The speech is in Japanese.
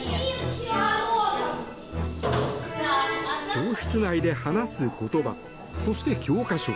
教室内で話す言葉そして、教科書。